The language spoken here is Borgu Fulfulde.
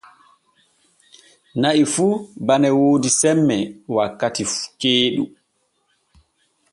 Na'i fu bane woodi semme wakkati ceeɗu.